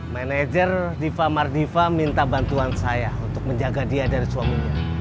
manajer diva mardiva minta bantuan saya untuk menjaga dia dari suaminya